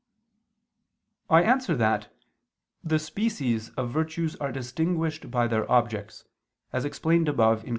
I answer that, The species of virtues are distinguished by their objects, as explained above (Q.